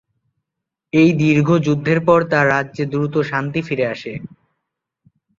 এই দীর্ঘ যুদ্ধের পর তাঁর রাজ্যে দ্রুত শান্তি ফিরে আসে।